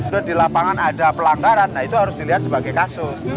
terus di lapangan ada pelanggaran nah itu harus dilihat sebagai kasus